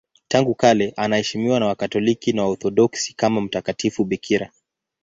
Tangu kale anaheshimiwa na Wakatoliki na Waorthodoksi kama mtakatifu bikira.